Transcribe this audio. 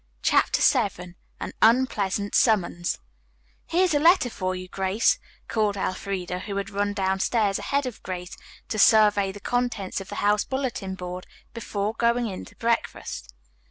CHAPTER VII AN UNPLEASANT SUMMONS "Here's a letter for you, Grace," called Elfreda, who had run downstairs ahead of Grace to survey the contents of the house bulletin board before going in to breakfast.